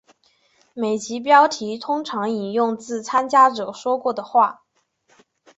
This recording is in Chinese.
每集标题通常引用自参加者说过的话。